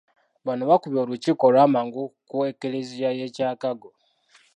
Bano bakubye olukiiko olw’amangu ku Eklezia y'e Kyakago.